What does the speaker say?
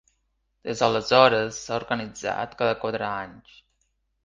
Des d'aleshores s'ha organitzat cada quatre anys.